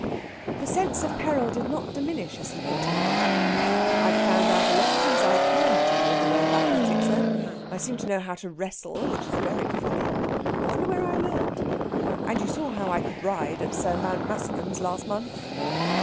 This sense of peril did not diminish as he continued: "I've found out a lot of things I can do in the way of athletics, though; I seem to know how to wrestle, which is very funny. I wonder where I learned. And you saw how I could ride at Sir Mountmassingham's last month?"